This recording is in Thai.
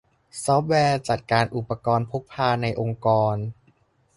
ซอฟต์แวร์จัดการอุปกรณ์พกพาในองค์กร